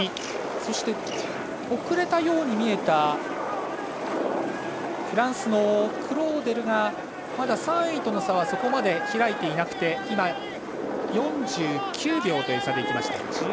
そして遅れたように見えたフランスのクローデルがまだ３位との差はそこまで開いていなくて４９秒差でいきました。